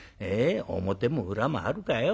表も裏もあるかよ。